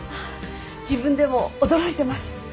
自分でも驚いてます。